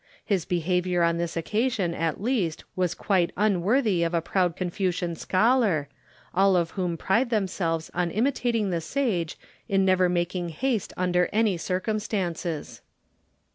His behaviour on this occasion at least was quite unworthy of a proud Confucian scholar, all of whom pride themselves on imitating the sage in never making haste under any circumstances.